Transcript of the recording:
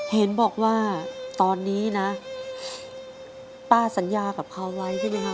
เห็นบอกว่าตอนนี้นะป้าสัญญากับเขาไว้ใช่ไหมครับ